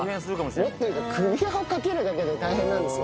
もっというと首輪をかけるだけで大変なんですよ。